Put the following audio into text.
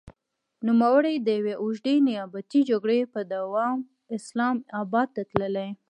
نوموړی د يوې اوږدې نيابتي جګړې په دوام اسلام اباد ته تللی.